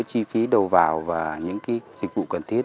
chi phí đầu vào và những dịch vụ cần thiết